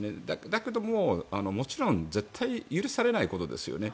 だけども、もちろん絶対、許されないことですよね。